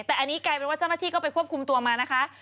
แต่อันนี้กลายเป็นว่าเจ้าหน้าที่ก็ไปควบคุมตัวมานะคะ